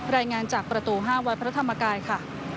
รายงานจากประตู๕วัดพระธรรมกายค่ะ